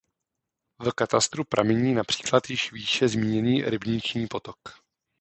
V katastru pramení například již výše zmíněný Rybniční potok.